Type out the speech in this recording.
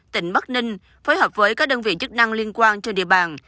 tỉnh bắc ninh phối hợp với các đơn vị chức năng liên quan trên địa bàn